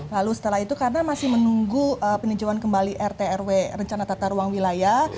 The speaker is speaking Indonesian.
lalu setelah itu karena masih menunggu peninjauan kembali rt rw rencana tata ruang wilayah